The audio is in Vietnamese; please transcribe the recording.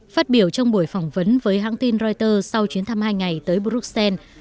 phát biểu trong buổi phỏng vấn với hãng tin reuters sau chuyến thăm hai ngày tới bruxelles